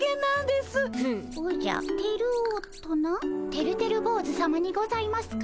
てるてる坊主さまにございますか？